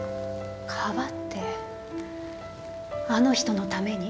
かばってあの人のために？